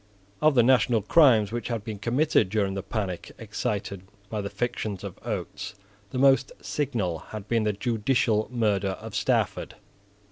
Of the national crimes which had been committed during the panic excited by the fictions of Oates, the most signal had been the judicial murder of Stafford.